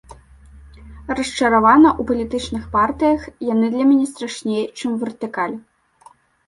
Расчаравана ў палітычных партыях, яны для мяне страшней, чым вертыкаль.